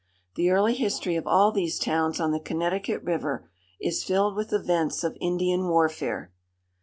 The early history of all these towns on the Connecticut river is filled with events of Indian warfare.